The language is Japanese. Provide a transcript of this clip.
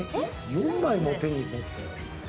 ⁉４枚も手に持ったよ。